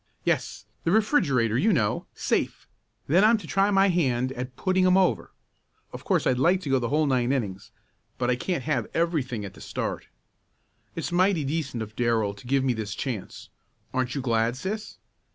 "Yes, the refrigerator you know safe. Then I'm to try my hand at putting 'em over. Of course I'd like to go the whole nine innings but I can't have everything at the start. It's mighty decent of Darrell to give me this chance. Aren't you glad, sis?"